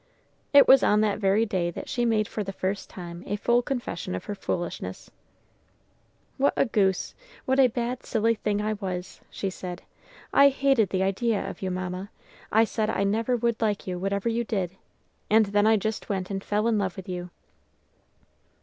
It was on that very day that she made for the first time a full confession of her foolishness. "What a goose! what a silly, bad thing I was!" she said. "I hated the idea of you, Mamma. I said I never would like you, whatever you did; and then I just went and fell in love with you!"